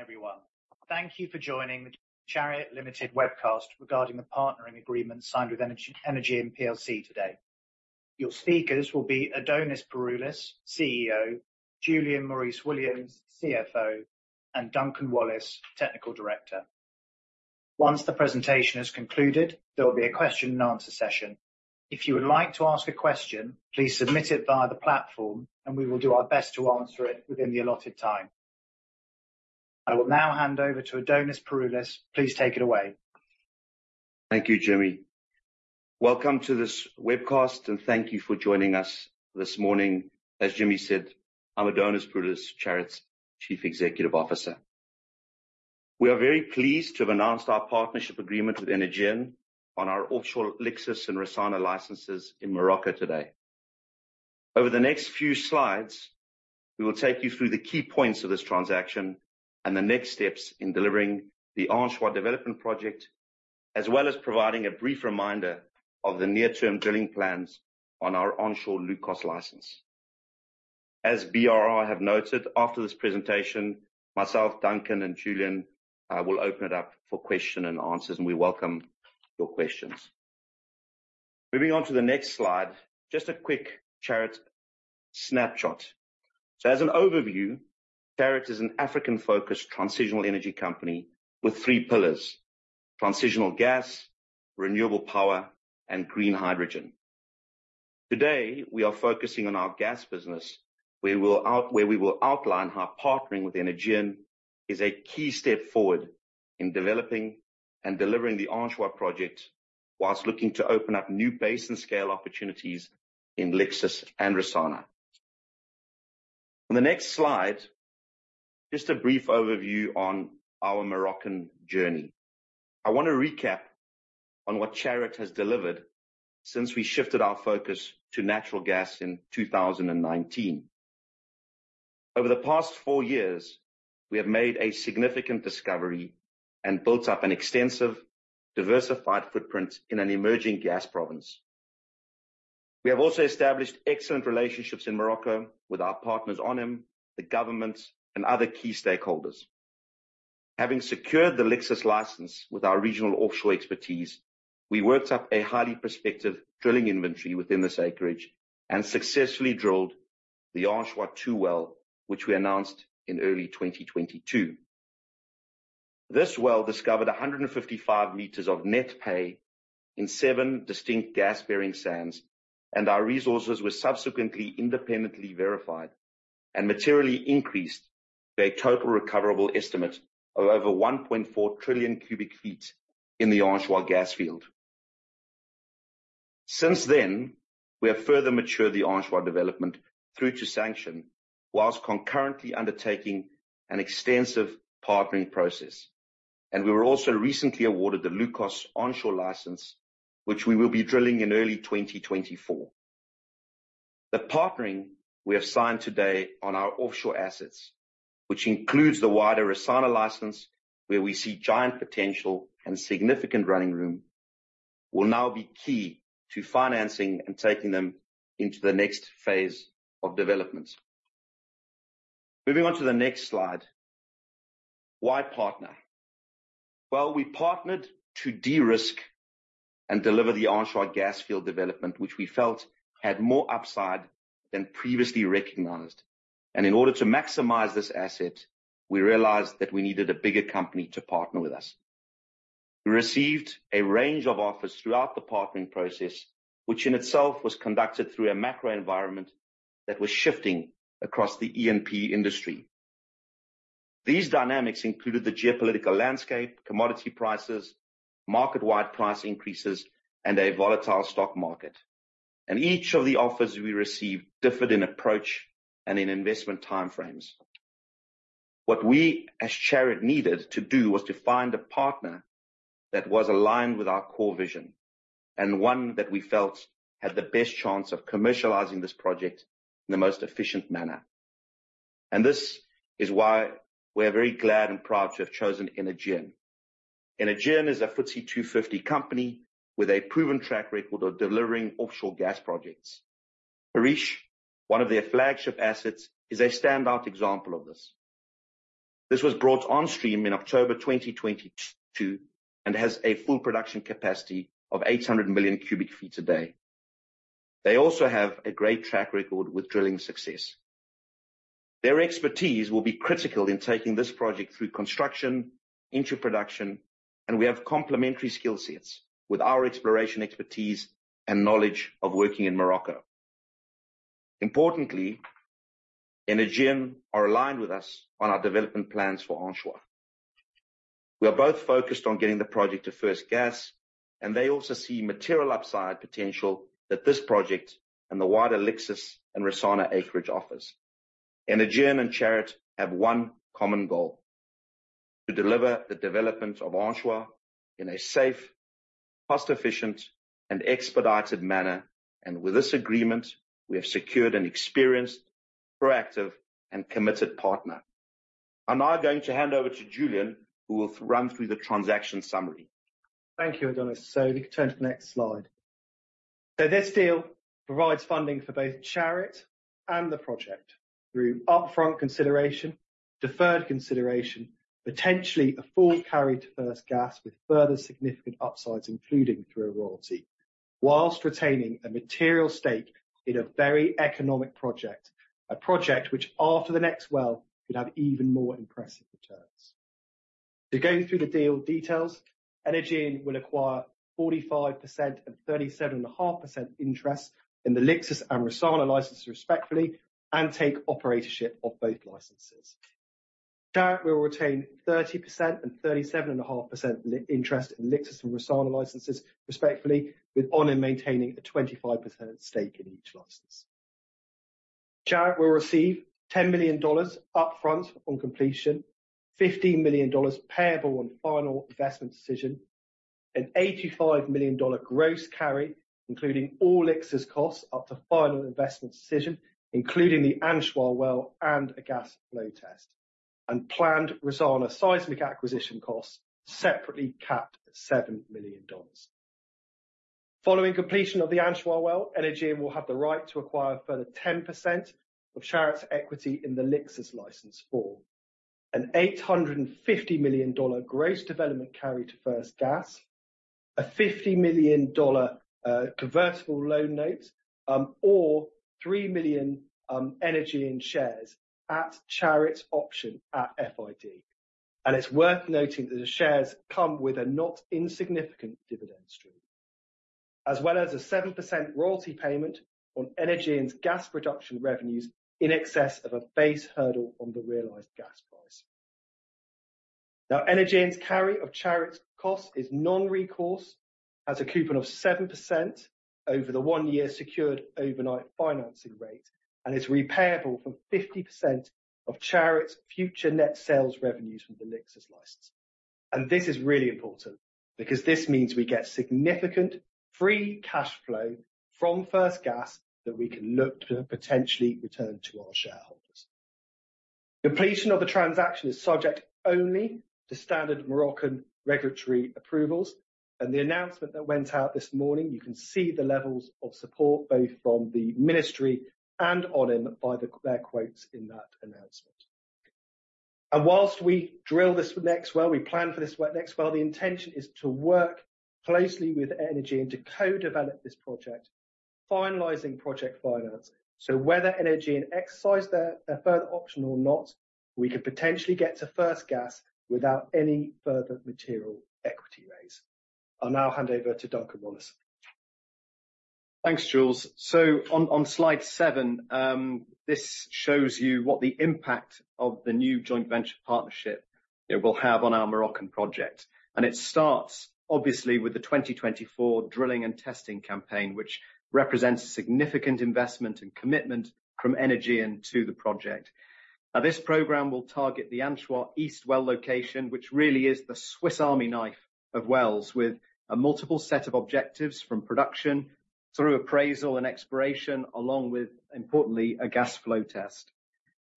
Good morning, everyone. Thank you for joining the Chariot Limited webcast regarding the partnering agreement signed with Energean plc today. Your speakers will be Adonis Pouroulis, CEO, Julian Maurice-Williams, CFO, and Duncan Wallace, Technical Director. Once the presentation is concluded, there will be a question and answer session. If you would like to ask a question, please submit it via the platform, and we will do our best to answer it within the allotted time. I will now hand over to Adonis Pouroulis. Please take it away. Thank you, Jimmy. Welcome to this webcast, and thank you for joining us this morning. As Jimmy said, I'm Adonis Pouroulis, Chariot's Chief Executive Officer. We are very pleased to have announced our partnership agreement with Energean on our offshore Lixus and Rissana licenses in Morocco today. Over the next few slides, we will take you through the key points of this transaction and the next steps in delivering the Anchois development project, as well as providing a brief reminder of the near-term drilling plans on our onshore Loukos license. As BRR have noted, after this presentation, myself, Duncan, and Julian will open it up for question and answers, and we welcome your questions. Moving on to the next slide, just a quick Chariot snapshot. So as an overview, Chariot is an African-focused transitional energy company with three pillars: transitional gas, renewable power, and green hydrogen. Today, we are focusing on our gas business, where we will outline how partnering with Energean is a key step forward in developing and delivering the Anchois project, while looking to open up new basin-scale opportunities in Lixus and Rissana. On the next slide, just a brief overview on our Moroccan journey. I want to recap on what Chariot has delivered since we shifted our focus to natural gas in 2019. Over the past four years, we have made a significant discovery and built up an extensive, diversified footprint in an emerging gas province. We have also established excellent relationships in Morocco with our partners, ONHYM, the government, and other key stakeholders. Having secured the Lixus license with our regional offshore expertise, we worked up a highly prospective drilling inventory within this acreage and successfully drilled the Anchois-2 well, which we announced in early 2022. This well discovered 155 meters of net pay in seven distinct gas-bearing sands, and our resources were subsequently independently verified and materially increased to a total recoverable estimate of over 1.4 trillion cubic feet in the Anchois gas field. Since then, we have further matured the Anchois development through to sanction, while concurrently undertaking an extensive partnering process. We were also recently awarded the Loukos onshore license, which we will be drilling in early 2024. The partnering we have signed today on our offshore assets, which includes the wider Rissana license, where we see giant potential and significant running room, will now be key to financing and taking them into the next phase of development. Moving on to the next slide. Why partner? Well, we partnered to de-risk and deliver the Anchois gas field development, which we felt had more upside than previously recognized. And in order to maximize this asset, we realized that we needed a bigger company to partner with us. We received a range of offers throughout the partnering process, which in itself was conducted through a macro environment that was shifting across the E&P industry. These dynamics included the geopolitical landscape, commodity prices, market-wide price increases, and a volatile stock market. And each of the offers we received differed in approach and in investment timeframes. What we as Chariot needed to do was to find a partner that was aligned with our core vision, and one that we felt had the best chance of commercializing this project in the most efficient manner. This is why we're very glad and proud to have chosen Energean. Energean is a FTSE 250 company with a proven track record of delivering offshore gas projects. Karish, one of their flagship assets, is a standout example of this. This was brought on stream in October 2022 and has a full production capacity of 800 million cubic feet a day. They also have a great track record with drilling success. Their expertise will be critical in taking this project through construction into production, and we have complementary skill sets with our exploration expertise and knowledge of working in Morocco. Importantly, Energean are aligned with us on our development plans for Anchois. We are both focused on getting the project to first gas, and they also see material upside potential that this project and the wider Lixus and Rissana acreage offers. Energean and Chariot have one common goal: to deliver the development of Anchois in a safe, cost-efficient, and expedited manner, and with this agreement, we have secured an experienced, proactive, and committed partner. I'm now going to hand over to Julian, who will run through the transaction summary. Thank you, Adonis. So we can turn to the next slide.... So this deal provides funding for both Chariot and the project through upfront consideration, deferred consideration, potentially a full carry to first gas, with further significant upsides, including through a royalty, while retaining a material stake in a very economic project. A project which, after the next well, could have even more impressive returns. To go through the deal details, Energean will acquire 45% and 37.5% interest in the Lixus and Rissana licenses, respectively, and take operatorship of both licenses. Chariot will retain 30% and 37.5% interest in Lixus and Rissana licenses, respectively, with ONHYM maintaining a 25% stake in each license. Chariot will receive $10 million upfront on completion, $15 million payable on final investment decision, an $85 million gross carry, including all Lixus costs, up to final investment decision, including the Anchois well and a gas flow test, and planned Rissana seismic acquisition costs, separately capped at $7 million. Following completion of the Anchois well, Energean will have the right to acquire a further 10% of Chariot's equity in the Lixus license for an $850 million gross development carry to first gas, a $50 million convertible loan note, or 3 million Energean shares at Chariot's option at FID. It's worth noting that the shares come with a not insignificant dividend stream, as well as a 7% royalty payment on Energean's gas production revenues in excess of a base hurdle on the realized gas price. Now, Energean's carry of Chariot's cost is non-recourse, has a coupon of 7% over the one-year secured overnight financing rate, and is repayable from 50% of Chariot's future net sales revenues from the Lixus license. And this is really important because this means we get significant free cash flow from first gas that we can look to potentially return to our shareholders. Completion of the transaction is subject only to standard Moroccan regulatory approvals, and the announcement that went out this morning, you can see the levels of support, both from the ministry and ONHYM, by their quotes in that announcement. And while we drill this next well, we plan for this next well, the intention is to work closely with Energean to co-develop this project, finalizing project finance. So whether Energean exercise their further option or not, we could potentially get to first gas without any further material equity raise. I'll now hand over to Duncan Wallace. Thanks, Jules. So on, on slide seven, this shows you what the impact of the new joint venture partnership, it will have on our Moroccan project. And it starts, obviously, with the 2024 drilling and testing campaign, which represents a significant investment and commitment from Energean to the project. Now, this program will target the Anchois East well location, which really is the Swiss Army knife of wells, with a multiple set of objectives from production through appraisal and exploration, along with, importantly, a gas flow test.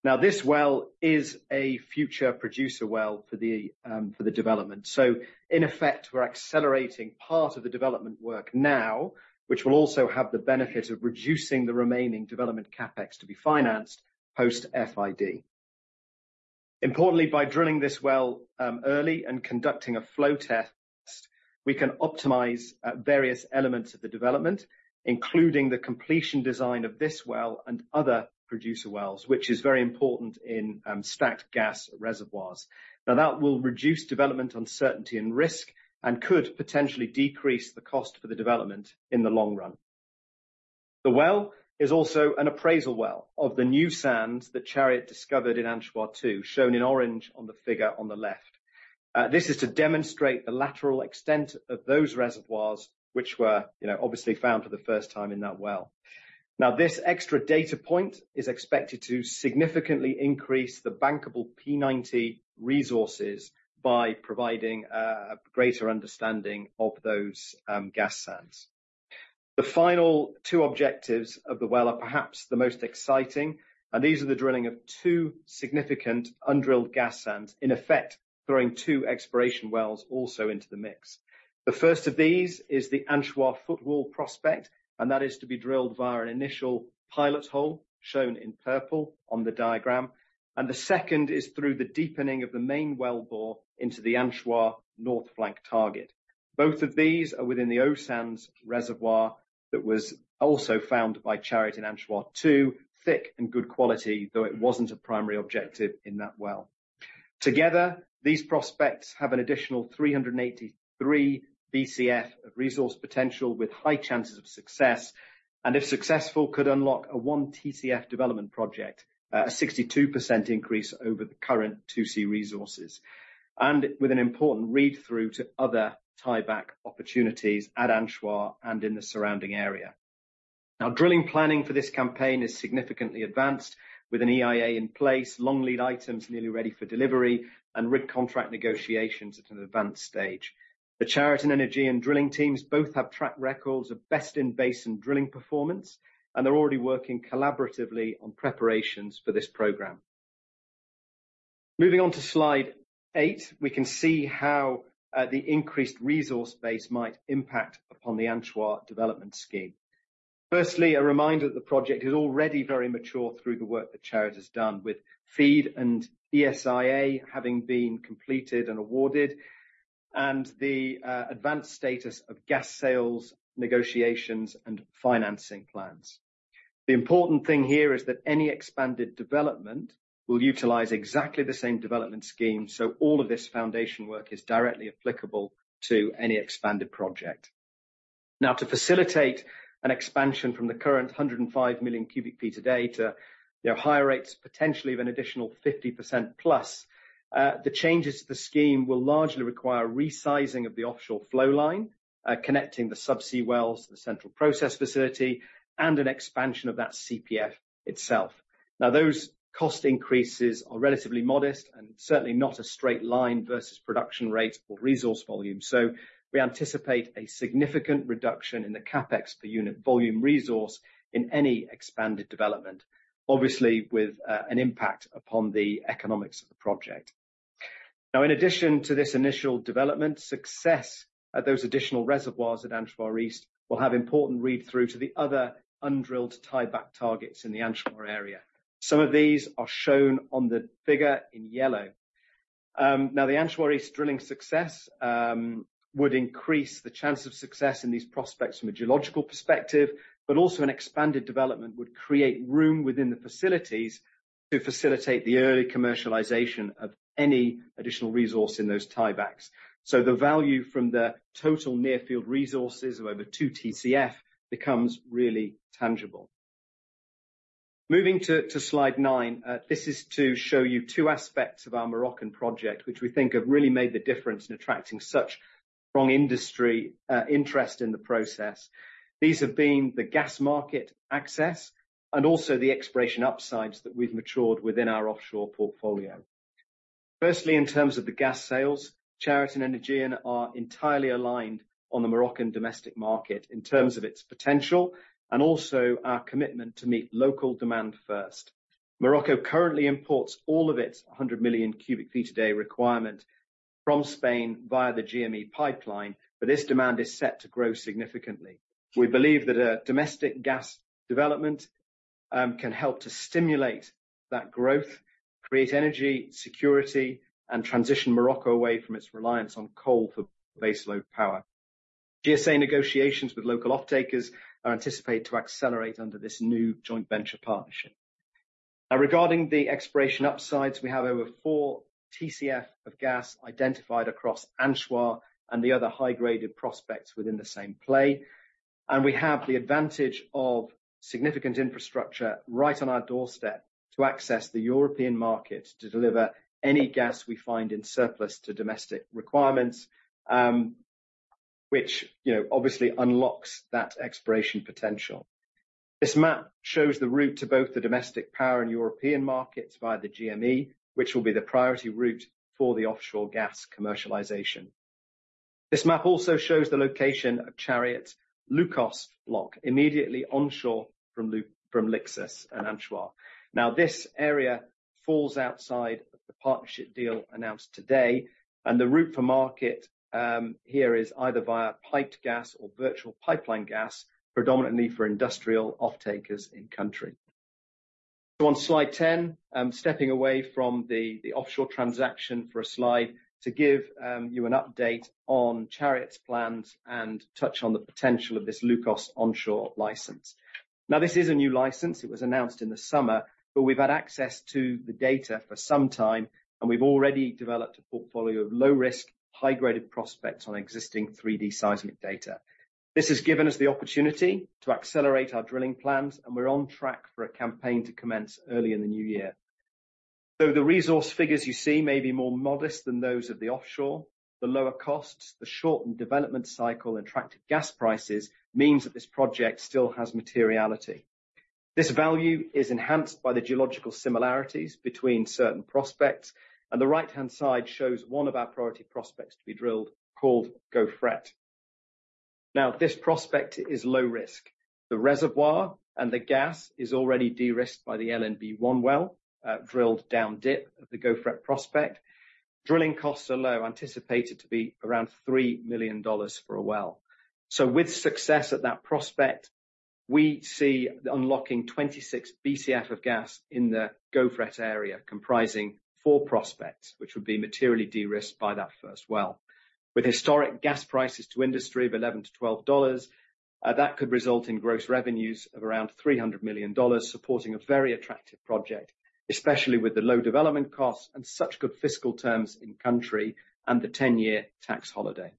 Now, this well is a future producer well for the, for the development. So in effect, we're accelerating part of the development work now, which will also have the benefit of reducing the remaining development CapEx to be financed post-FID. Importantly, by drilling this well, early and conducting a flow test, we can optimize, various elements of the development, including the completion design of this well and other producer wells, which is very important in, stacked gas reservoirs. Now, that will reduce development uncertainty and risk and could potentially decrease the cost for the development in the long run. The well is also an appraisal well of the new sands that Chariot discovered in Anchois-2, shown in orange on the figure on the left. This is to demonstrate the lateral extent of those reservoirs, which were, you know, obviously found for the first time in that well. Now, this extra data point is expected to significantly increase the bankable P90 resources by providing, a greater understanding of those, gas sands. The final two objectives of the well are perhaps the most exciting, and these are the drilling of two significant undrilled gas sands, in effect, throwing 2 exploration wells also into the mix. The first of these is the Anchois Footwall prospect, and that is to be drilled via an initial pilot hole, shown in purple on the diagram. The second is through the deepening of the main wellbore into the Anchois North Flank target. Both of these are within the O Sands reservoir that was also found by Chariot in Anchois-2, thick and good quality, though it wasn't a primary objective in that well. Together, these prospects have an additional 383 Bcf of resource potential with high chances of success, and if successful, could unlock a one TCF development project, a 62% increase over the current 2C resources, and with an important read-through to other tieback opportunities at Anchois and in the surrounding area. Now, drilling planning for this campaign is significantly advanced, with an EIA in place, long lead items nearly ready for delivery, and rig contract negotiations at an advanced stage. The Chariot and Energean drilling teams both have track records of best-in-basin drilling performance, and they're already working collaboratively on preparations for this program. Moving on to Slide eight, we can see how the increased resource base might impact upon the Anchois development scheme. Firstly, a reminder that the project is already very mature through the work that Chariot has done, with FEED and ESIA having been completed and awarded, and the advanced status of gas sales, negotiations, and financing plans. The important thing here is that any expanded development will utilize exactly the same development scheme, so all of this foundation work is directly applicable to any expanded project. Now, to facilitate an expansion from the current 105 million cubic feet a day to, you know, higher rates, potentially of an additional 50% plus, the changes to the scheme will largely require resizing of the offshore flow line, connecting the subsea wells to the Central Processing Facility, and an expansion of that CPF itself. Now, those cost increases are relatively modest and certainly not a straight line versus production rate or resource volume, so we anticipate a significant reduction in the CapEx per unit volume resource in any expanded development. Obviously, with an impact upon the economics of the project. Now, in addition to this initial development, success at those additional reservoirs at Anchois East will have important read-through to the other undrilled tieback targets in the Anchois area. Some of these are shown on the figure in yellow. Now, the Anchois East drilling success would increase the chance of success in these prospects from a geological perspective, but also an expanded development would create room within the facilities to facilitate the early commercialization of any additional resource in those tiebacks. So the value from the total near-field resources of over two TCF becomes really tangible. Moving to Slide nine, this is to show you two aspects of our Moroccan project, which we think have really made the difference in attracting such strong industry interest in the process. These have been the gas market access and also the exploration upsides that we've matured within our offshore portfolio. Firstly, in terms of the gas sales, Chariot and Energean are entirely aligned on the Moroccan domestic market in terms of its potential and also our commitment to meet local demand first. Morocco currently imports all of its 100 million cubic feet a day requirement from Spain via the GME pipeline, but this demand is set to grow significantly. We believe that a domestic gas development can help to stimulate that growth, create energy security, and transition Morocco away from its reliance on coal for baseload power. GSA negotiations with local off-takers are anticipated to accelerate under this new joint venture partnership. Now, regarding the exploration upsides, we have over four TCF of gas identified across Anchois and the other high-graded prospects within the same play, and we have the advantage of significant infrastructure right on our doorstep to access the European market, to deliver any gas we find in surplus to domestic requirements, which, you know, obviously unlocks that exploration potential. This map shows the route to both the domestic power and European markets via the GME, which will be the priority route for the offshore gas commercialization. This map also shows the location of Chariot's Loukos block, immediately onshore from Lixus and Anchois. Now, this area falls outside of the partnership deal announced today, and the route for market here is either via piped gas or virtual pipeline gas, predominantly for industrial off-takers in country. So on Slide 10, I'm stepping away from the offshore transaction for a slide to give you an update on Chariot's plans and touch on the potential of this Loukos onshore license. Now, this is a new license. It was announced in the summer, but we've had access to the data for some time, and we've already developed a portfolio of low-risk, high-graded prospects on existing 3D seismic data. This has given us the opportunity to accelerate our drilling plans, and we're on track for a campaign to commence early in the new year. Though the resource figures you see may be more modest than those of the offshore, the lower costs, the shortened development cycle, and attractive gas prices means that this project still has materiality. This value is enhanced by the geological similarities between certain prospects, and the right-hand side shows one of our priority prospects to be drilled, called Gofret. Now, this prospect is low risk. The reservoir and the gas is already de-risked by the LNB-1 well, drilled down dip of the Gofret prospect. Drilling costs are low, anticipated to be around $3 million for a well. So with success at that prospect, we see unlocking 26 Bcf of gas in the Gofret area, comprising four prospects, which would be materially de-risked by that first well. With historic gas prices to industry of $11-$12, that could result in gross revenues of around $300 million, supporting a very attractive project, especially with the low development costs and such good fiscal terms in country and the 10-year tax holiday.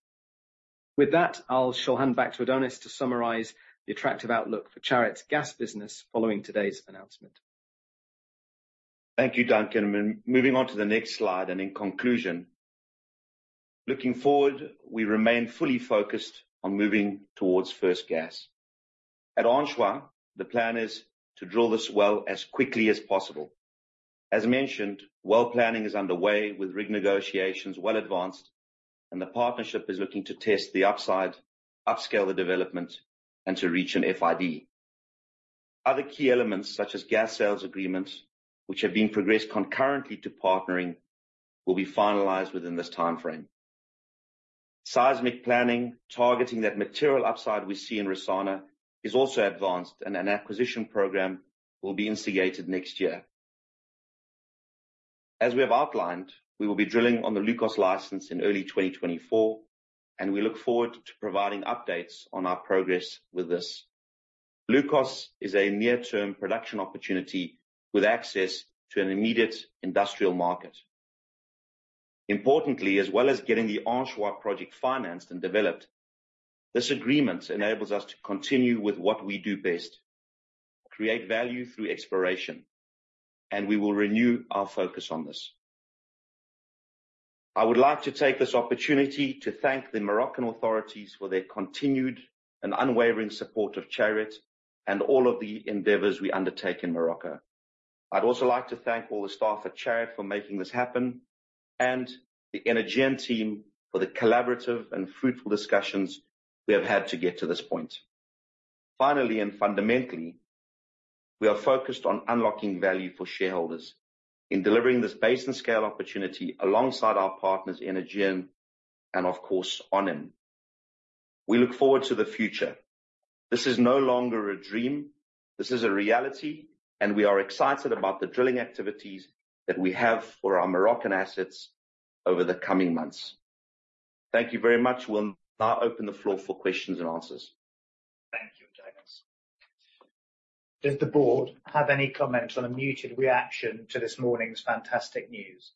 With that, I shall hand back to Adonis to summarize the attractive outlook for Chariot's gas business following today's announcement. Thank you, Duncan, and moving on to the next slide, and in conclusion, looking forward, we remain fully focused on moving towards first gas. At Anchois, the plan is to drill this well as quickly as possible. As mentioned, well planning is underway, with rig negotiations well advanced, and the partnership is looking to test the upside, upscale the development, and to reach an FID. Other key elements, such as gas sales agreements, which are being progressed concurrently to partnering, will be finalized within this timeframe. Seismic planning, targeting that material upside we see in Rissana, is also advanced, and an acquisition program will be instigated next year. As we have outlined, we will be drilling on the Loukos license in early 2024, and we look forward to providing updates on our progress with this. Loukos is a near-term production opportunity with access to an immediate industrial market. Importantly, as well as getting the Anchois project financed and developed, this agreement enables us to continue with what we do best: create value through exploration, and we will renew our focus on this. I would like to take this opportunity to thank the Moroccan authorities for their continued and unwavering support of Chariot and all of the endeavors we undertake in Morocco. I'd also like to thank all the staff at Chariot for making this happen, and the Energean team for the collaborative and fruitful discussions we have had to get to this point. Finally, and fundamentally, we are focused on unlocking value for shareholders in delivering this basin-scale opportunity alongside our partners, Energean, and of course, ONHYM. We look forward to the future. This is no longer a dream, this is a reality, and we are excited about the drilling activities that we have for our Moroccan assets over the coming months. Thank you very much. We'll now open the floor for questions and answers. Thank you, Adonis. Does the board have any comment on a muted reaction to this morning's fantastic news?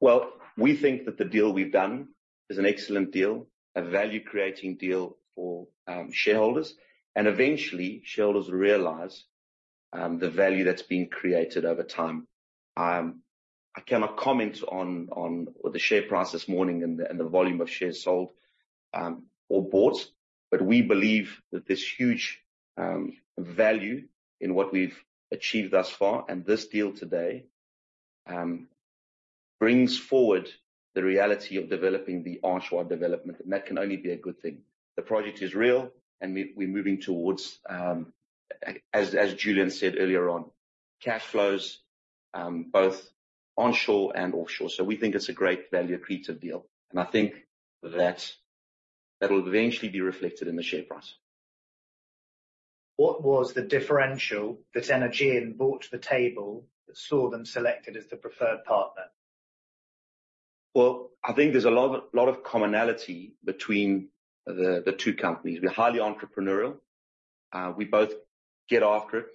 Well, we think that the deal we've done is an excellent deal, a value-creating deal for shareholders, and eventually, shareholders will realize the value that's been created over time. I cannot comment on the share price this morning and the volume of shares sold or bought, but we believe that there's huge value in what we've achieved thus far. And this deal today brings forward the reality of developing the Anchois development, and that can only be a good thing. The project is real, and we're moving towards, as Julian said earlier on, cash flows both onshore and offshore. So we think it's a great value-creative deal, and I think that will eventually be reflected in the share price. What was the differential that Energean brought to the table that saw them selected as the preferred partner? Well, I think there's a lot of, lot of commonality between the, the two companies. We're highly entrepreneurial. We both get after it,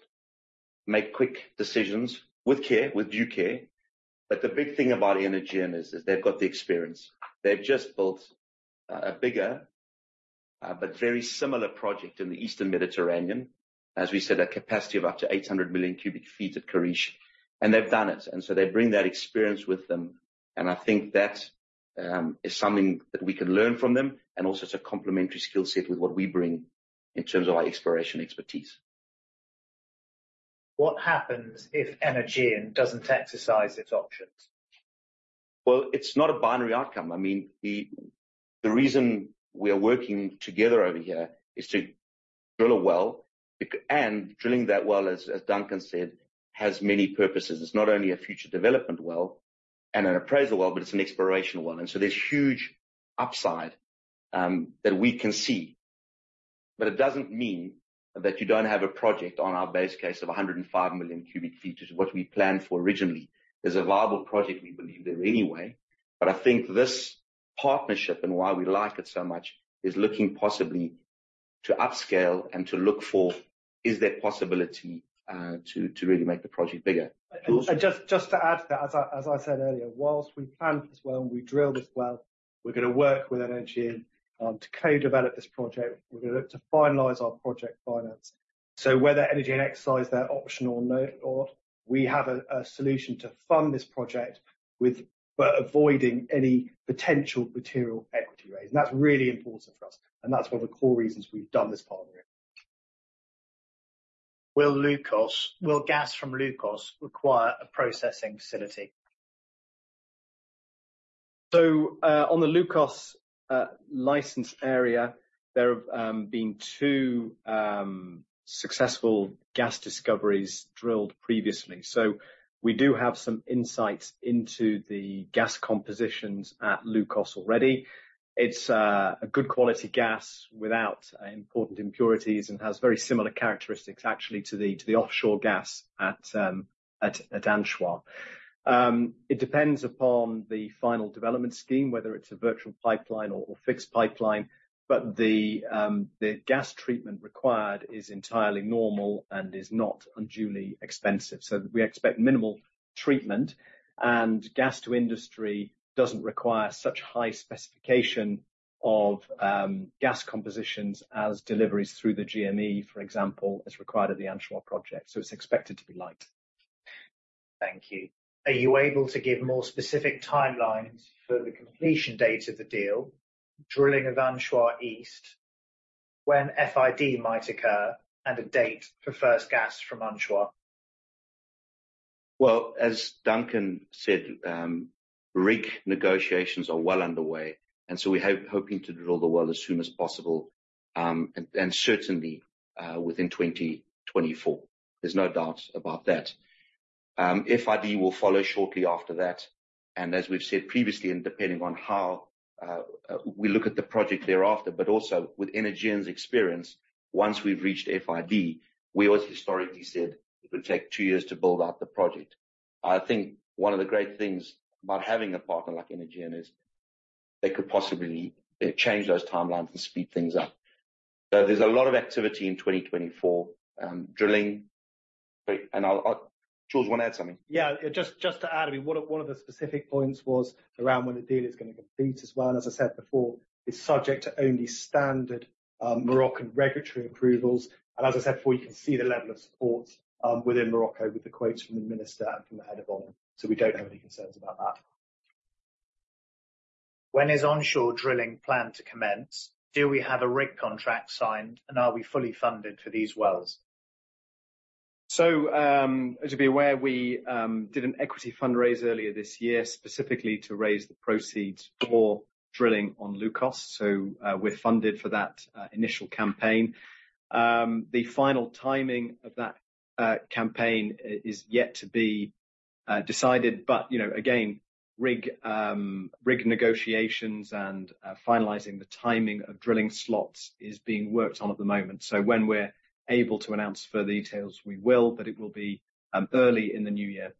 make quick decisions with care, with due care. But the big thing about Energean is, is they've got the experience. They've just built a, a bigger, but very similar project in the Eastern Mediterranean. As we said, a capacity of up to 800 million cubic feet at Karish, and they've done it, and so they bring that experience with them. And I think that, is something that we can learn from them, and also it's a complementary skill set with what we bring in terms of our exploration expertise. What happens if Energean doesn't exercise its options? Well, it's not a binary outcome. I mean, the reason we are working together over here is to drill a well, and drilling that well, as Duncan said, has many purposes. It's not only a future development well and an appraisal well, but it's an explorational one, and so there's huge upside that we can see. But it doesn't mean that you don't have a project on our base case of 105 million cubic feet, which is what we planned for originally. There's a viable project, we believe, there anyway. But I think this partnership and why we like it so much is looking possibly to upscale and to look for, is there possibility to really make the project bigger? And just to add to that, as I said earlier, while we planned this well, and we drilled this well, we're gonna work with Energean to co-develop this project. We're gonna look to finalize our project finance. So whether Energean exercise their option or no, or we have a solution to fund this project with, but avoiding any potential material equity raise. And that's really important for us, and that's one of the core reasons we've done this partnering. Will gas from Lixus require a processing facility? So, on the Loukos license area, there have been two successful gas discoveries drilled previously. So we do have some insights into the gas compositions at Loukos already. It's a good quality gas without important impurities and has very similar characteristics, actually, to the offshore gas at Anchois. It depends upon the final development scheme, whether it's a virtual pipeline or fixed pipeline, but the gas treatment required is entirely normal and is not unduly expensive. So we expect minimal treatment, and gas to industry doesn't require such high specification of gas compositions as deliveries through the GME, for example, as required at the Anchois project. So it's expected to be light. Thank you. Are you able to give more specific timelines for the completion date of the deal, drilling of Anchois East, when FID might occur, and a date for first gas from Anchois? ...Well, as Duncan said, rig negotiations are well underway, and so we're hoping to drill the well as soon as possible, and certainly within 2024. There's no doubt about that. FID will follow shortly after that, and as we've said previously, and depending on how we look at the project thereafter, but also with Energean's experience, once we've reached FID, we always historically said it would take two years to build out the project. I think one of the great things about having a partner like Energean is they could possibly change those timelines and speed things up. So there's a lot of activity in 2024, drilling, but... And I'll, Jules, you want to add something? Yeah, just, just to add, I mean, one of, one of the specific points was around when the deal is gonna complete as well. As I said before, it's subject to only standard Moroccan regulatory approvals. And as I said before, you can see the level of support within Morocco, with the quotes from the minister and from the head of oil. So we don't have any concerns about that. When is onshore drilling planned to commence? Do we have a rig contract signed, and are we fully funded for these wells? So, as you'll be aware, we did an equity fundraise earlier this year, specifically to raise the proceeds for drilling on Loukos. So, we're funded for that initial campaign. The final timing of that campaign is yet to be decided, but, you know, again, rig negotiations and finalizing the timing of drilling slots is being worked on at the moment. So when we're able to announce further details, we will, but it will be early in the new year.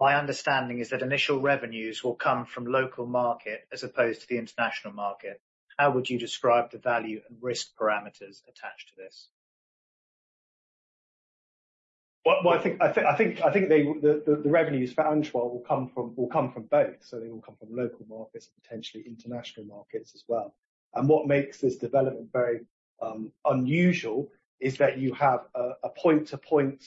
My understanding is that initial revenues will come from local market as opposed to the international market. How would you describe the value and risk parameters attached to this? Well, I think they... The revenues for Anchois will come from both. So they will come from local markets and potentially international markets as well. And what makes this development very unusual is that you have a point-to-point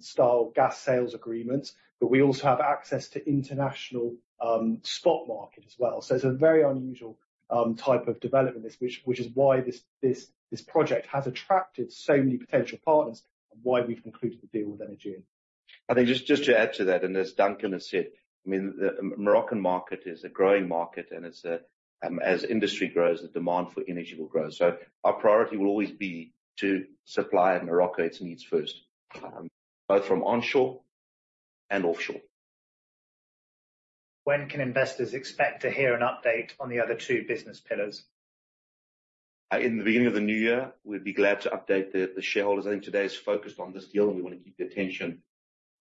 style gas sales agreement, but we also have access to international spot market as well. So it's a very unusual type of development, which is why this project has attracted so many potential partners and why we've concluded the deal with Energean. I think just, just to add to that, and as Duncan has said, I mean, the Moroccan market is a growing market, and it's a, as industry grows, the demand for energy will grow. So our priority will always be to supply Morocco its needs first, both from onshore and offshore. When can investors expect to hear an update on the other two business pillars? In the beginning of the new year, we'd be glad to update the shareholders. I think today is focused on this deal, and we want to keep the attention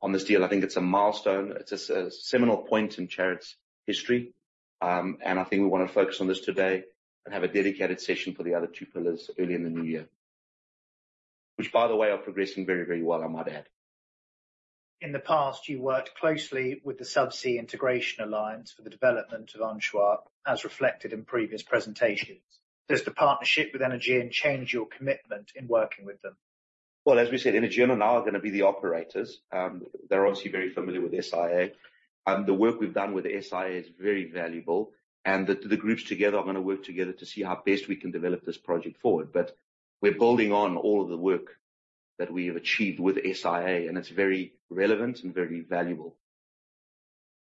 on this deal. I think it's a milestone. It's a seminal point in Chariot's history, and I think we want to focus on this today and have a dedicated session for the other two pillars early in the new year. Which, by the way, are progressing very, very well, I might add. In the past, you worked closely with the Subsea Integration Alliance for the development of Anchois, as reflected in previous presentations. Does the partnership with Energean change your commitment in working with them? Well, as we said, Energean are now gonna be the operators. They're obviously very familiar with SIA. And the work we've done with SIA is very valuable, and the groups together are gonna work together to see how best we can develop this project forward. But we're building on all of the work that we have achieved with SIA, and it's very relevant and very valuable.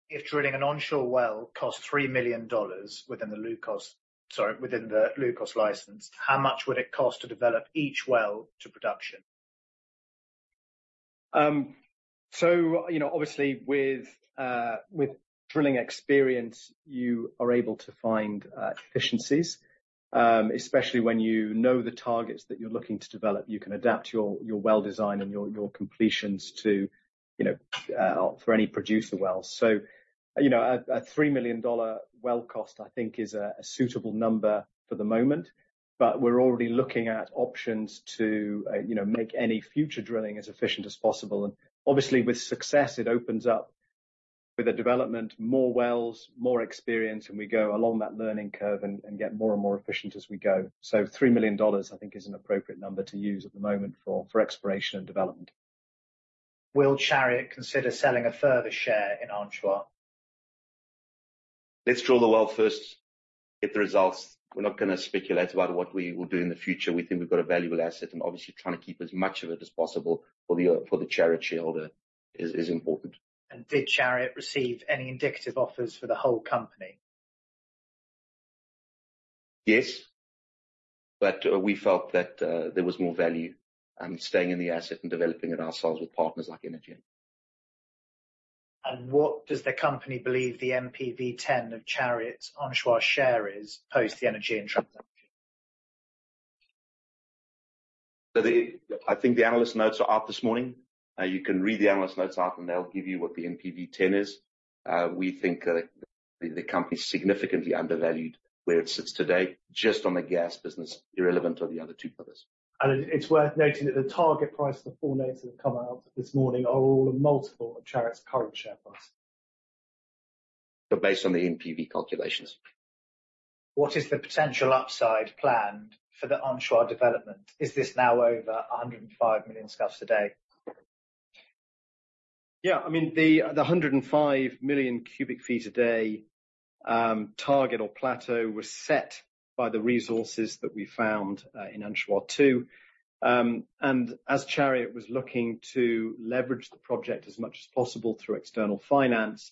If drilling an onshore well costs $3 million within the Loukos... Sorry, within the Loukos license, how much would it cost to develop each well to production? So, you know, obviously, with drilling experience, you are able to find efficiencies, especially when you know the targets that you're looking to develop. You can adapt your well design and your completions to, you know, for any producer wells. So, you know, a $3 million well cost, I think, is a suitable number for the moment, but we're already looking at options to, you know, make any future drilling as efficient as possible. And obviously, with success, it opens up with the development, more wells, more experience, and we go along that learning curve and get more and more efficient as we go. So $3 million, I think, is an appropriate number to use at the moment for exploration and development. Will Chariot consider selling a further share in Anchois? Let's drill the well first, get the results. We're not gonna speculate about what we will do in the future. We think we've got a valuable asset, and obviously, trying to keep as much of it as possible for the, for the Chariot shareholder is important. Did Chariot receive any indicative offers for the whole company? Yes, but, we felt that, there was more value, staying in the asset and developing it ourselves with partners like Energean. What does the company believe the NPV10 of Chariot's Anchois share is, post the Energean transaction? I think the analyst notes are out this morning. You can read the analyst notes out, and they'll give you what the NPV10 is. We think the company is significantly undervalued where it sits today, just on the gas business, irrelevant of the other two pillars. It's worth noting that the target price, the four notes that have come out this morning, are all a multiple of Chariot's current share price. Based on the NPV calculations. What is the potential upside planned for the onshore development? Is this now over 105 million scfs a day?... Yeah, I mean, the 105 million cubic feet a day target or plateau was set by the resources that we found in Anchois-2. And as Chariot was looking to leverage the project as much as possible through external finance,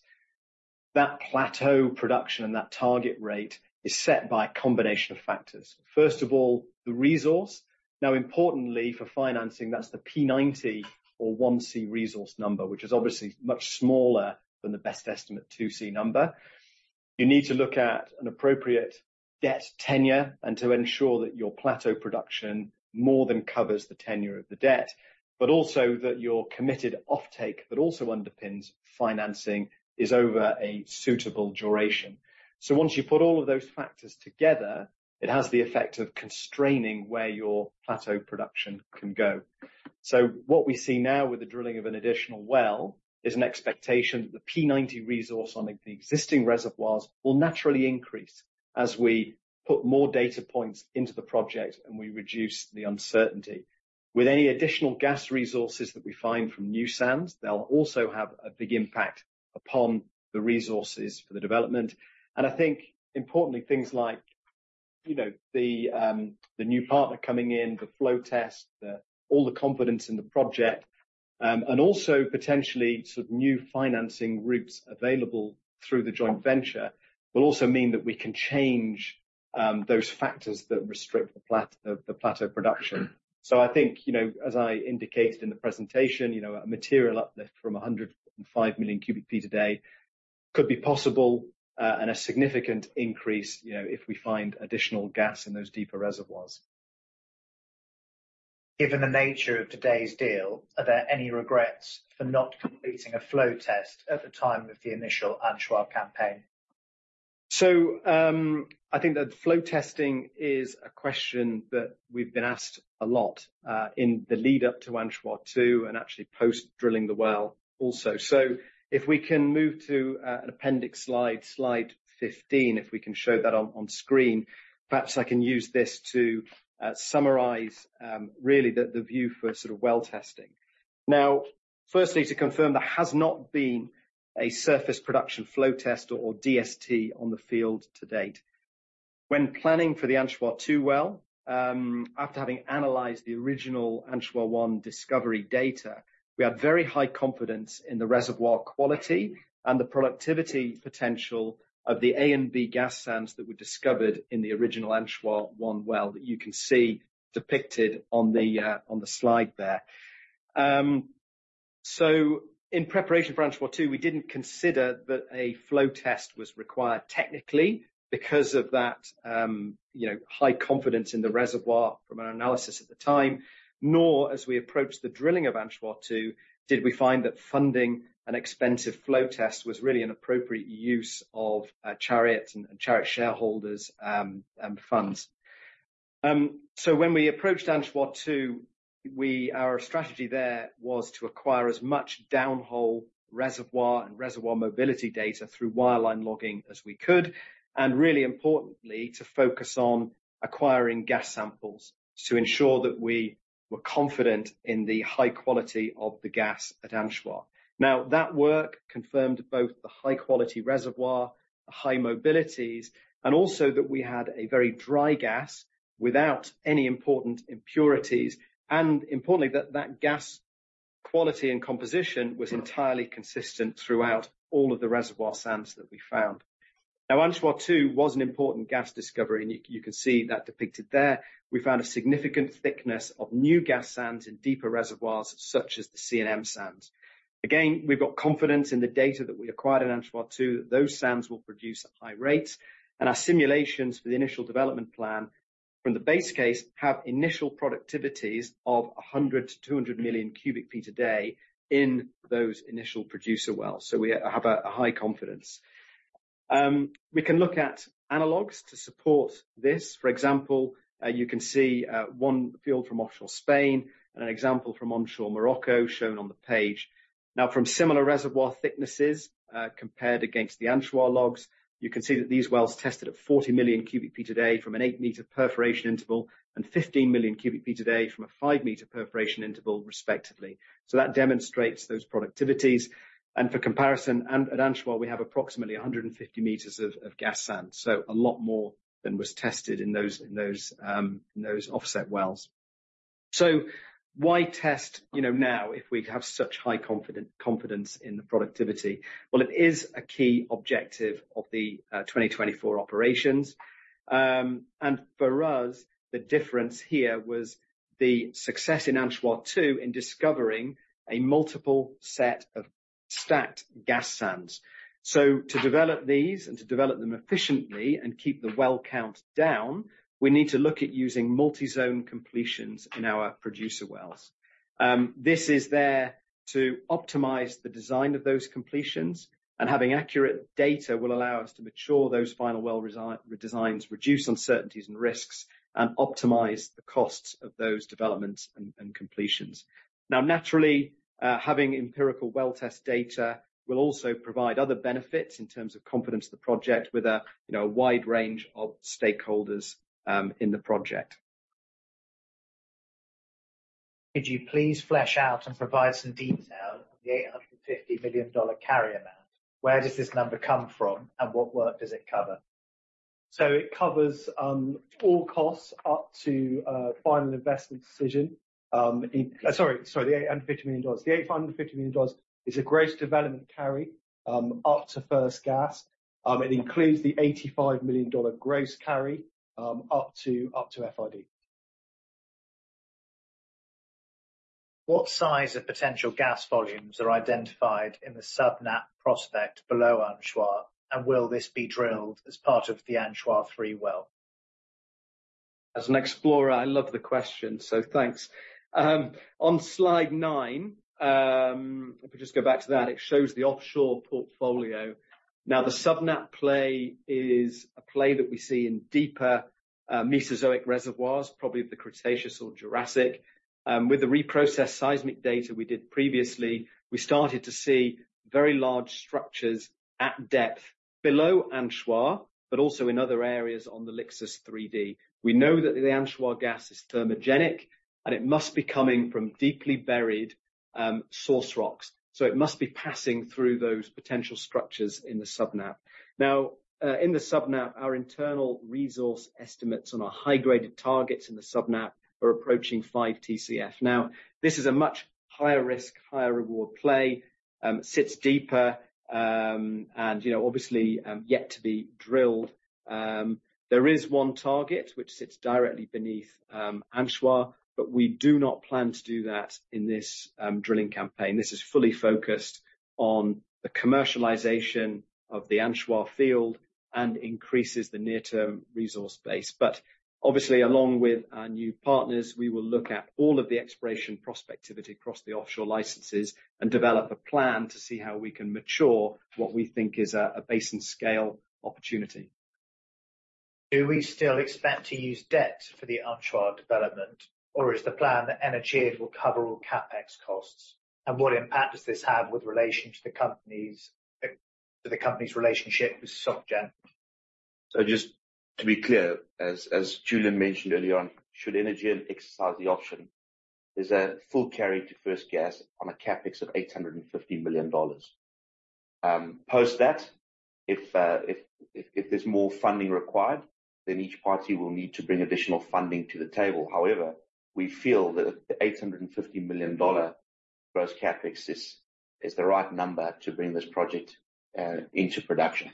that plateau production and that target rate is set by a combination of factors. First of all, the resource. Now, importantly, for financing, that's the P90 or 1C resource number, which is obviously much smaller than the best estimate 2C number. You need to look at an appropriate debt tenure and to ensure that your plateau production more than covers the tenure of the debt, but also that your committed offtake, that also underpins financing, is over a suitable duration. So once you put all of those factors together, it has the effect of constraining where your plateau production can go. So what we see now with the drilling of an additional well is an expectation that the P90 resource on the existing reservoirs will naturally increase as we put more data points into the project and we reduce the uncertainty. With any additional gas resources that we find from new sands, they'll also have a big impact upon the resources for the development. And I think importantly, things like, you know, the new partner coming in, the flow test, all the confidence in the project, and also potentially sort of new financing routes available through the joint venture, will also mean that we can change those factors that restrict the plateau production. So I think, you know, as I indicated in the presentation, you know, a material uplift from 105 million cubic feet a day could be possible, and a significant increase, you know, if we find additional gas in those deeper reservoirs. Given the nature of today's deal, are there any regrets for not completing a flow test at the time of the initial Anchois campaign? So, I think that flow testing is a question that we've been asked a lot in the lead-up to Anchois-2 and actually post-drilling the well also. So if we can move to an appendix slide, slide 15, if we can show that on screen, perhaps I can use this to summarize really the view for sort of well testing. Now, firstly, to confirm, there has not been a surface production flow test or DST on the field to date. When planning for the Anchois-2 well, after having analyzed the original Anchois-1 discovery data, we had very high confidence in the reservoir quality and the productivity potential of the A and B gas sands that were discovered in the original Anchois-1 well, that you can see depicted on the slide there. So in preparation for Anchois-2, we didn't consider that a flow test was required technically because of that, you know, high confidence in the reservoir from our analysis at the time, nor as we approached the drilling of Anchois-2, did we find that funding an expensive flow test was really an appropriate use of Chariot and Chariot shareholders' funds. So when we approached Anchois-2, our strategy there was to acquire as much downhole reservoir and reservoir mobility data through wireline logging as we could, and really importantly, to focus on acquiring gas samples to ensure that we were confident in the high quality of the gas at Anchois. Now, that work confirmed both the high-quality reservoir, the high mobilities, and also that we had a very dry gas without any important impurities, and importantly, that gas quality and composition was entirely consistent throughout all of the reservoir sands that we found. Now, Anchois-2 was an important gas discovery, and you can see that depicted there. We found a significant thickness of new gas sands in deeper reservoirs, such as the C and M Sands. Again, we've got confidence in the data that we acquired in Anchois-2, that those sands will produce at high rates, and our simulations for the initial development plan from the base case have initial productivities of 100-200 million cubic feet a day in those initial producer wells. So we have a high confidence. We can look at analogs to support this. For example, you can see one field from offshore Spain and an example from onshore Morocco, shown on the page. Now, from similar reservoir thicknesses compared against the Anchois logs, you can see that these wells tested at 40 million cubic feet a day from an 8-meter perforation interval and 15 million cubic feet a day from a 5-meter perforation interval, respectively. So that demonstrates those productivities, and for comparison, at Anchois, we have approximately 150 meters of gas sand, so a lot more than was tested in those offset wells. So why test, you know, now, if we have such high confidence in the productivity? Well, it is a key objective of the 2024 operations. And for us, the difference here was the success in Anchois-2 in discovering a multiple set of stacked gas sands. So to develop these and to develop them efficiently and keep the well count down, we need to look at using multi-zone completions in our producer wells. This is there to optimize the design of those completions, and having accurate data will allow us to mature those final well designs, reduce uncertainties and risks, and optimize the costs of those developments and completions. Now, naturally, having empirical well test data will also provide other benefits in terms of confidence in the project with a, you know, a wide range of stakeholders in the project.... Could you please flesh out and provide some detail on the $850 million carry amount? Where does this number come from, and what work does it cover? So it covers all costs up to final investment decision. Sorry, the $850 million. The $850 million is a gross development carry up to first gas. It includes the $85 million gross carry up to FID. What size of potential gas volumes are identified in the Sub-Nappe prospect below Anchois, and will this be drilled as part of the Anchois-3 well? As an explorer, I love the question, so thanks. On slide 9, if we just go back to that, it shows the offshore portfolio. Now, the Sub-Nappe play is a play that we see in deeper Mesozoic reservoirs, probably the Cretaceous or Jurassic. With the reprocessed seismic data we did previously, we started to see very large structures at depth below Anchois, but also in other areas on the Lixus 3D. We know that the Anchois gas is thermogenic, and it must be coming from deeply buried source rocks, so it must be passing through those potential structures in the Sub-Nappe. Now, in the Sub-Nappe, our internal resource estimates on our high-graded targets in the Sub-Nappe are approaching five TCF. Now, this is a much higher risk, higher reward play, sits deeper, and, you know, obviously, yet to be drilled. There is one target which sits directly beneath Anchois, but we do not plan to do that in this drilling campaign. This is fully focused on the commercialization of the Anchois field and increases the near-term resource base. But obviously, along with our new partners, we will look at all of the exploration prospectivity across the offshore licenses and develop a plan to see how we can mature what we think is a basin-scale opportunity. Do we still expect to use debt for the Anchois development, or is the plan that Energean will cover all CapEx costs? And what impact does this have with relation to the company's relationship with SocGen? Just to be clear, as Julian mentioned earlier on, should Energean exercise the option, there's a full carry to first gas on a CapEx of $850 million. Post that, if there's more funding required, then each party will need to bring additional funding to the table. However, we feel that the $850 million gross CapEx is the right number to bring this project into production.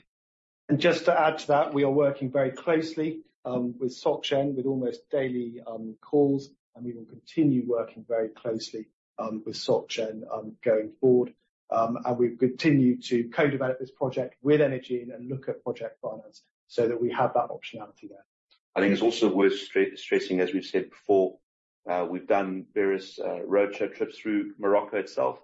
And just to add to that, we are working very closely with SocGen, with almost daily calls, and we will continue working very closely with SocGen going forward. We've continued to co-develop this project with Energean and look at project finance so that we have that optionality there. I think it's also worth stressing, as we've said before, we've done various roadshow trips through Morocco itself,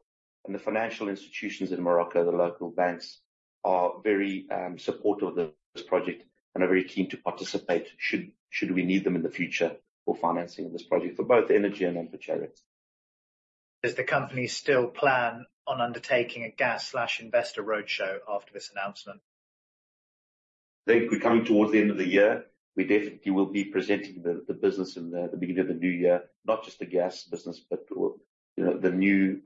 and the financial institutions in Morocco, the local banks, are very supportive of this project and are very keen to participate, should we need them in the future for financing this project, for both Energean and for Chariot. Does the company still plan on undertaking a gas/investor roadshow after this announcement? I think we're coming towards the end of the year. We definitely will be presenting the business in the beginning of the new year, not just the gas business, but, you know, the new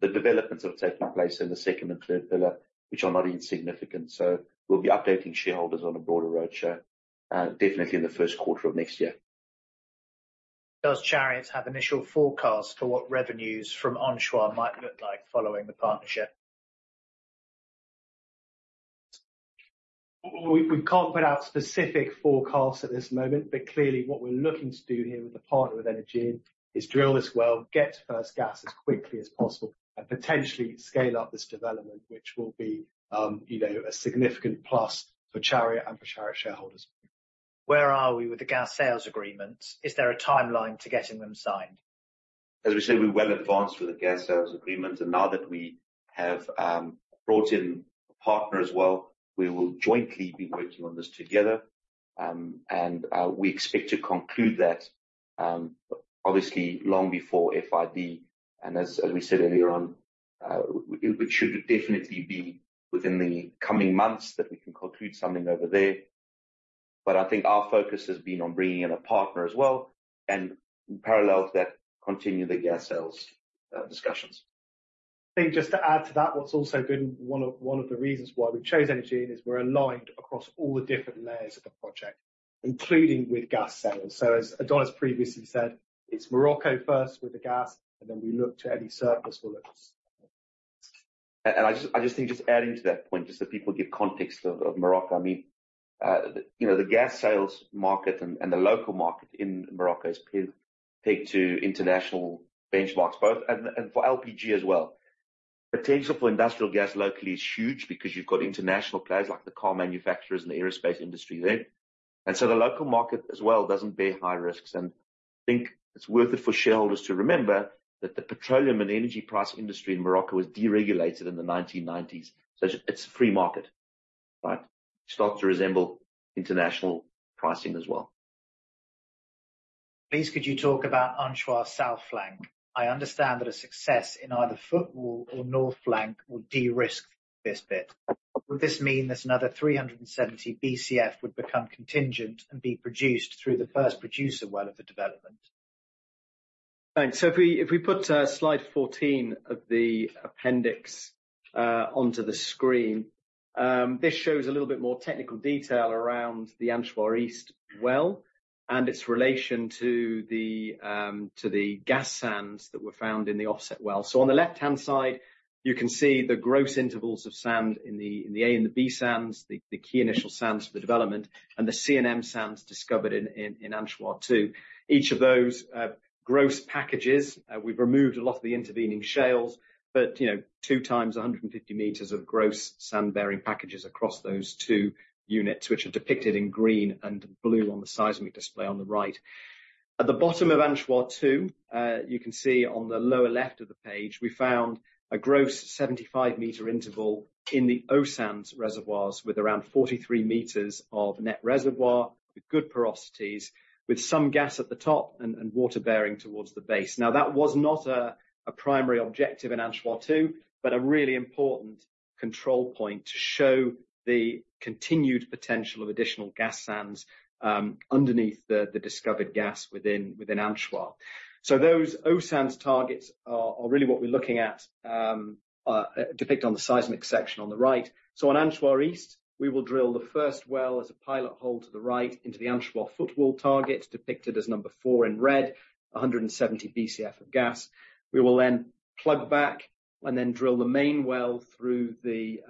developments that have taken place in the second and third pillar, which are not insignificant. So we'll be updating shareholders on a broader roadshow, definitely in the Q1 of next year. Does Chariot have initial forecasts for what revenues from Anchois might look like following the partnership? We can't put out specific forecasts at this moment, but clearly, what we're looking to do here with the partner, with Energean, is drill this well, get first gas as quickly as possible, and potentially scale up this development, which will be, you know, a significant plus for Chariot and for Chariot shareholders. Where are we with the gas sales agreements? Is there a timeline to getting them signed? As we said, we're well advanced with the gas sales agreements, and now that we have brought in a partner as well, we will jointly be working on this together. And we expect to conclude that, obviously long before FID, and as we said earlier on, it should definitely be within the coming months that we can conclude something over there. But I think our focus has been on bringing in a partner as well, and parallel to that, continue the gas sales discussions. I think just to add to that, what's also been one of the reasons why we chose Energean is we're aligned across all the different layers of the project, including with gas sales. So as Adonis previously said, it's Morocco first with the gas, and then we look to any surplus for export. And I just think, just adding to that point, just so people get context of Morocco, I mean, you know, the gas sales market and the local market in Morocco is pegged to international benchmarks, both and for LPG as well. Potential for industrial gas locally is huge because you've got international players like the car manufacturers and the aerospace industry there. And so the local market as well doesn't bear high risks, and I think it's worth it for shareholders to remember that the petroleum and energy price industry in Morocco was deregulated in the 1990s. So it's a free market, right? Starts to resemble international pricing as well. Please, could you talk about Anchois South Flank? I understand that a success in either Footwall or North Flank will de-risk this bit. Would this mean that another 370 BCF would become contingent and be produced through the first producer well of the development?... Thanks. So if we put slide 14 of the appendix onto the screen. This shows a little bit more technical detail around the Anchois East well, and its relation to the gas sands that were found in the offset well. So on the left-hand side, you can see the gross intervals of sand in the A and the B Sands, the key initial sands for the development, and the C and M Sands discovered in Anchois-2. Each of those gross packages, we've removed a lot of the intervening shales, but, you know, two times 150 meters of gross sand-bearing packages across those two units, which are depicted in green and blue on the seismic display on the right. At the bottom of Anchois-2, you can see on the lower left of the page, we found a gross 75-meter interval in the O Sands reservoirs, with around 43 meters of net reservoir, with good porosities, with some gas at the top and water-bearing towards the base. Now, that was not a primary objective in Anchois-2, but a really important control point to show the continued potential of additional gas sands underneath the discovered gas within Anchois. So those O Sands targets are really what we're looking at, depicted on the seismic section on the right. So on Anchois East, we will drill the first well as a pilot hole to the right into the Anchois Footwall target, depicted as number 4 in red, 170 Bcf of gas. We will then plug back and then drill the main well through the,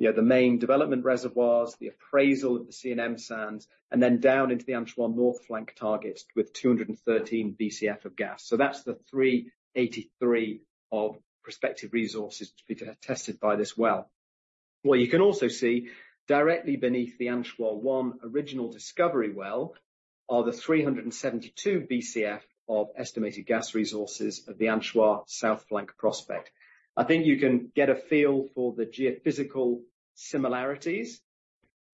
you know, the main development reservoirs, the appraisal of the C and M Sands, and then down into the Anchois North Flank targets with 213 Bcf of gas. So that's the 383 of prospective resources to be tested by this well. Well, you can also see directly beneath the Anchois-1 original discovery well, are the 372 Bcf of estimated gas resources of the Anchois South Flank prospect. I think you can get a feel for the geophysical similarities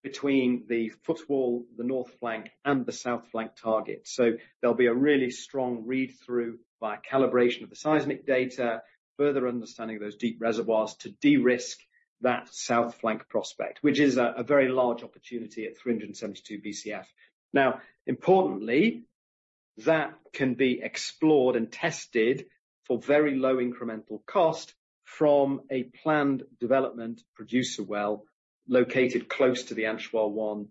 between the footwall, the north flank, and the south flank target. So there'll be a really strong read-through via calibration of the seismic data, further understanding those deep reservoirs to de-risk that south flank prospect, which is a very large opportunity at 372 Bcf. Now, importantly, that can be explored and tested for very low incremental cost from a planned development producer well located close to the Anchois-1,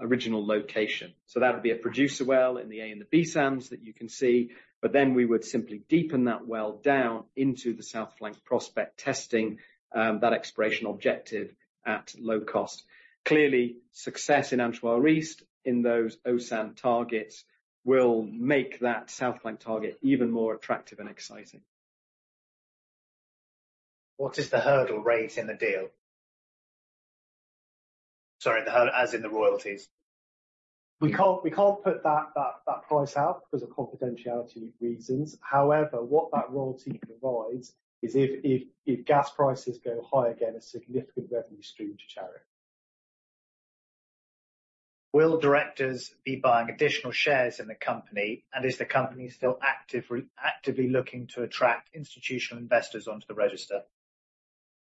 original location. So that would be a producer well in the A and the B sands that you can see, but then we would simply deepen that well down into the south flank prospect testing, that exploration objective at low cost. Clearly, success in Anchois East, in those O sand targets, will make that south flank target even more attractive and exciting. What is the hurdle rate in the deal? Sorry, the hurdle as in the royalties. We can't put that price out because of confidentiality reasons. However, what that royalty provides is if gas prices go high again, a significant revenue stream to Chariot. Will directors be buying additional shares in the company, and is the company still actively looking to attract institutional investors onto the register?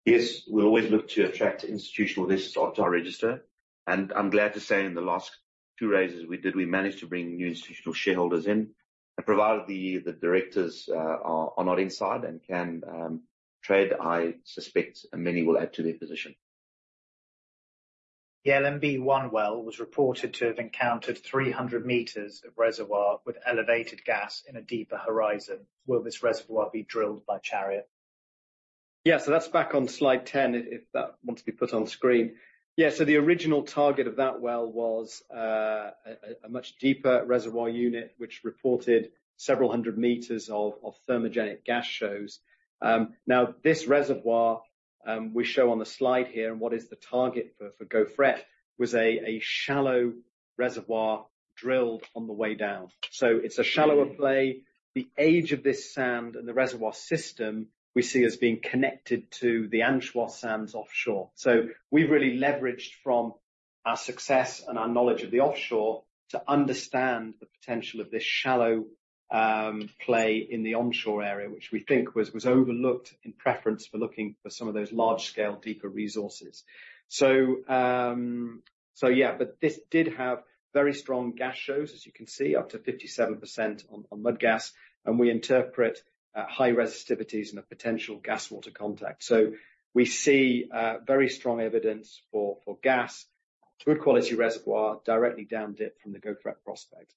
Yes, we always look to attract institutional investors onto our register, and I'm glad to say in the last two raises we did, we managed to bring new institutional shareholders in. And provided the directors are not inside and can trade, I suspect many will add to their position. The LMB-1 well was reported to have encountered 300 meters of reservoir with elevated gas in a deeper horizon. Will this reservoir be drilled by Chariot? Yeah. So that's back on slide 10, if that wants to be put on screen. Yeah, so the original target of that well was a much deeper reservoir unit, which reported several hundred meters of thermogenic gas shows. Now, this reservoir we show on the slide here, and what is the target for Gofret, was a shallow reservoir drilled on the way down. So it's a shallower play. The age of this sand and the reservoir system we see as being connected to the Anchois sands offshore. So we've really leveraged from our success and our knowledge of the offshore to understand the potential of this shallow play in the onshore area, which we think was overlooked in preference for looking for some of those large-scale, deeper resources. So, so yeah, but this did have very strong gas shows, as you can see, up to 57% on mud gas, and we interpret high resistivities and a potential gas water contact. So we see very strong evidence for gas, good quality reservoir, directly down dip from the Gofret prospect.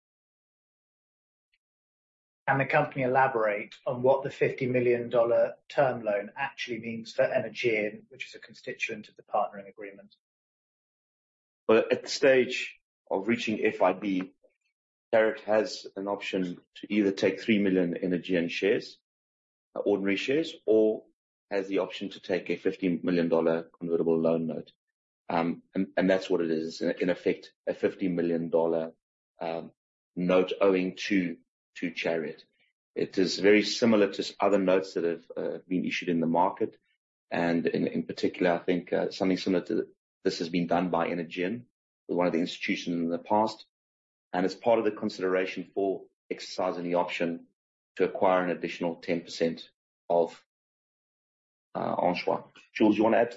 Can the company elaborate on what the $50 million term loan actually means for Energean, which is a constituent of the partnering agreement? Well, at the stage of reaching FID, Chariot has an option to either take 3 million Energean shares, ordinary shares, or has the option to take a $50 million convertible loan note. And that's what it is. In effect, a $50 million note owing to Chariot. It is very similar to other notes that have been issued in the market, and in particular, I think something similar to this has been done by Energean with one of the institutions in the past. And as part of the consideration for exercising the option to acquire an additional 10% of Anchois. Jules, you wanna add to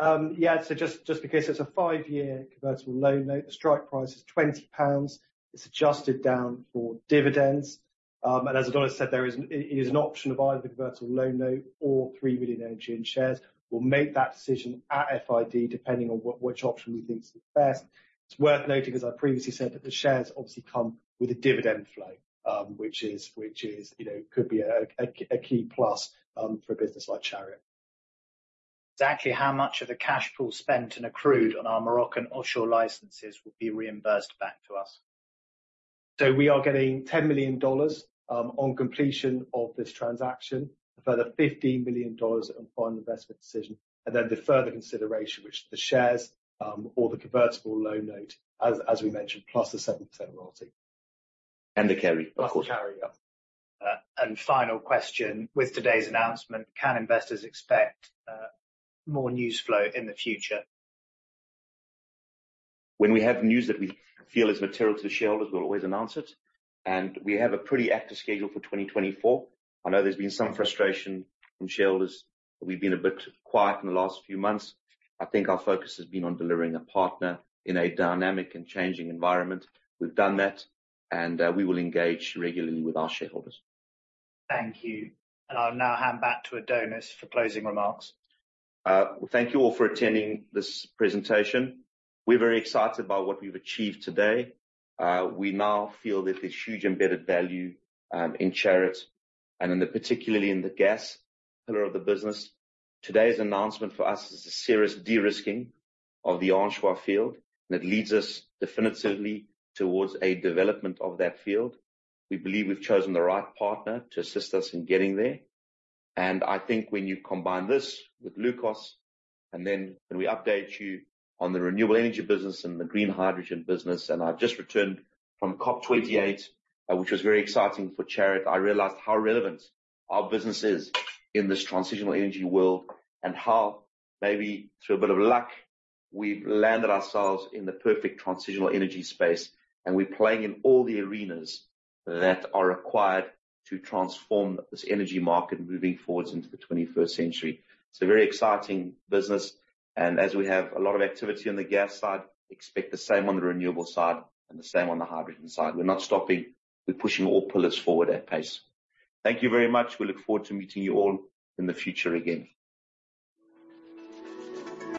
that? Yeah, so just, just in case, it's a five-year convertible loan note. The strike price is 20 pounds. It's adjusted down for dividends. As Adonis said, there is, it is an option of either the convertible loan note or 3 million Energean shares. We'll make that decision at FID, depending on which option we think is the best. It's worth noting, as I previously said, that the shares obviously come with a dividend flow, which is, you know, could be a key plus, for a business like Chariot. Exactly how much of the cash flow spent and accrued on our Moroccan offshore licenses will be reimbursed back to us? So we are getting $10 million on completion of this transaction, a further $15 million on final investment decision, and then the further consideration, which is the shares, or the convertible loan note, as, as we mentioned, plus the 7% royalty. And the carry, of course. Plus the carry, yeah. And final question: With today's announcement, can investors expect more news flow in the future? When we have news that we feel is material to the shareholders, we'll always announce it, and we have a pretty active schedule for 2024. I know there's been some frustration from shareholders. We've been a bit quiet in the last few months. I think our focus has been on delivering a partner in a dynamic and changing environment. We've done that, and we will engage regularly with our shareholders. Thank you. I'll now hand back to Adonis for closing remarks. Well, thank you all for attending this presentation. We're very excited about what we've achieved today. We now feel that there's huge embedded value in Chariot, and in the, particularly in the gas pillar of the business. Today's announcement for us is a serious de-risking of the Anchois field, and it leads us definitively towards a development of that field. We believe we've chosen the right partner to assist us in getting there. And I think when you combine this with Loukos, and then when we update you on the renewable energy business and the green hydrogen business, and I've just returned from COP 28, which was very exciting for Chariot. I realized how relevant our business is in this transitional energy world, and how, maybe through a bit of luck, we've landed ourselves in the perfect transitional energy space, and we're playing in all the arenas that are required to transform this energy market moving forward into the 21st century. It's a very exciting business, and as we have a lot of activity on the gas side, expect the same on the renewable side and the same on the hydrogen side. We're not stopping. We're pushing all pillars forward at pace. Thank you very much. We look forward to meeting you all in the future again.